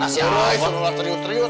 nasi abah abah teriut teriut kak